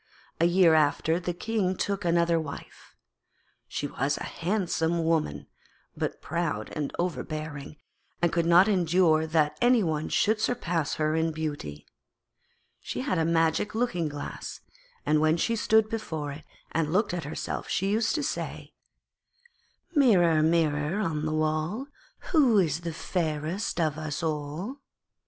A year after the King took another wife. She was a handsome woman, but proud and overbearing, and could not endure that any one should surpass her in beauty. She had a magic looking glass, and when she stood before it and looked at herself she used to say: 'Mirror, Mirror on the wall, Who is fairest of us all?'